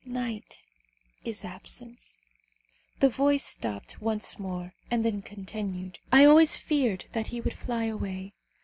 Night is absence." The voice stopped once more, and then continued, "I always feared that he would fly away.